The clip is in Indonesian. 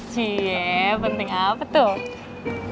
cie penting apa tuh